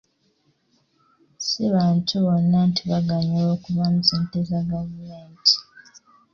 Si bantu bonna nti baganyulwa okuva mu ssente za gavumenti.